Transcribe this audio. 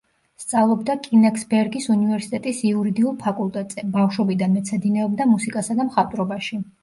სწავლობდა კენიგსბერგის უნივერსიტეტის იურიდიულ ფაკულტეტზე, ბავშვობიდან მეცადინეობდა მუსიკასა და მხატვრობაში.